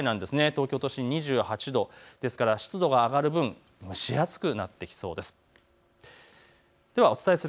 東京都心が２８度、湿度が上がる分、蒸し暑くなってきそうです。